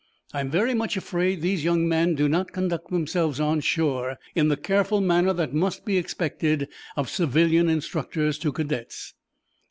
I am very much afraid these young men do not conduct themselves, on shore, in the careful manner that must be expected of civilian instructors to cadets."